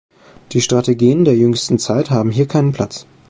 Die Strategien der jüngsten Zeit haben hier keinen Platz.